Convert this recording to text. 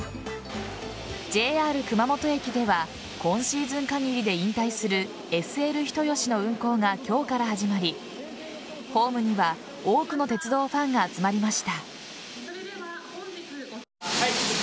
ＪＲ熊本駅では今シーズン限りで引退するＳＬ人吉の運行が今日から始まりホームには多くの鉄道ファンが集まりました。